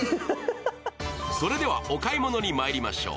それではお買い物にまいりましょう。